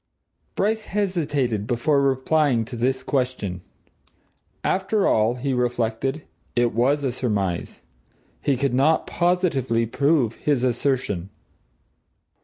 Bryce hesitated before replying to this question. After all, he reflected, it was a surmise. He could not positively prove his assertion.